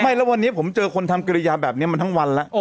แล้ววันนี้ผมเจอคนทำกิริยาแบบนี้มาทั้งวันแล้ว